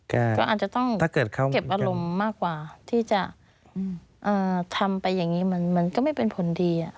อืมก็อาจจะต้องเก็บอารมณ์มากกว่าที่จะอ่าทำไปอย่างนี้มันก็ไม่เป็นผลดีอ่ะ